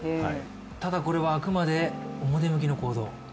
ただ、これはあくまで表向きの報道？